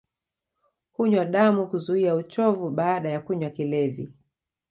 Hunywa damu kuzuia uchovu baada ya kunywa kilevi